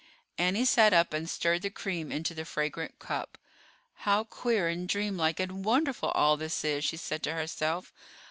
Annie sat up and stirred the cream into the fragrant cup. "How queer and dreamlike and wonderful all this is," she said to herself.